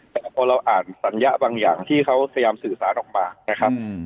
แต่พอเราอ่านสัญญะบางอย่างที่เขาพยายามสื่อสารออกมานะครับ